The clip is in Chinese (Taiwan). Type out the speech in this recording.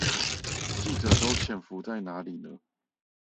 記者都潛伏在哪裡呢？